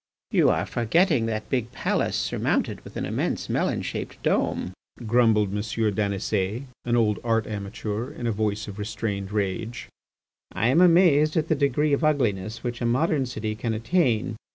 "You are forgetting that big palace surmounted an immense melon shaped dome," grumbled by M. Daniset, an old art amateur, in a voice of restrained rage. "I am amazed at the degree of ugliness which a modern city can attain.